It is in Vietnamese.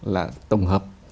là tổng hợp